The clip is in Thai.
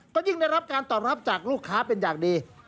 ก็ยิ่งได้รับการตอบรับจากลูกค้าเป็นอย่างดี